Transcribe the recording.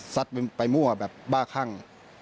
ไปมั่วแบบบ้าคั่ง